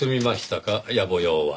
やぼ用は。